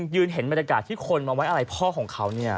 ยืนเห็นบรรยากาศที่คนมาไว้อะไรพ่อของเขาเนี่ย